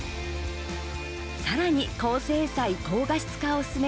さらに高精細、高画質化を進め